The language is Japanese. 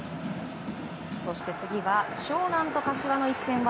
そして次は湘南と柏の一戦は